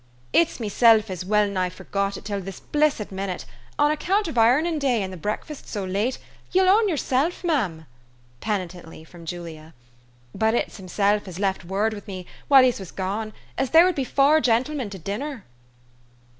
" It's meself as well nigh forgot it till this blissid minute, on account of ironiu' day and the breakfast so late, ye'll own yerself, mem," penitentty from Julia. "But it's himself as left word wid me while yez was gone, as there would be four gentlemen to dinner."